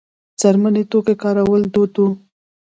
د څرمي توکو کارول دود و